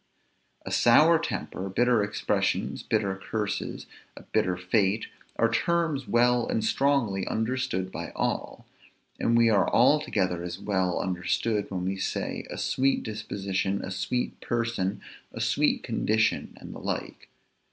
A sour temper, bitter expressions, bitter curses, a bitter fate, are terms well and strongly understood by all. And we are altogether as well understood when we say, a sweet disposition, a sweet person, a sweet condition and the like.